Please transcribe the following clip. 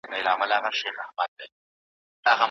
لارښود باید خپله څېړنه په ډېره سمه توګه ترسره کړي وي.